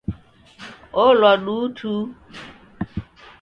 Olwa duu tu.